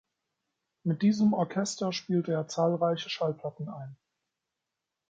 Mit diesem Orchester spielte er zahlreiche Schallplatten ein.